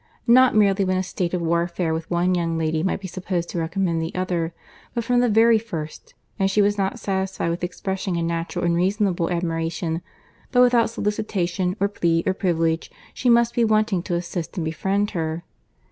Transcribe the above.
Not merely when a state of warfare with one young lady might be supposed to recommend the other, but from the very first; and she was not satisfied with expressing a natural and reasonable admiration—but without solicitation, or plea, or privilege, she must be wanting to assist and befriend her.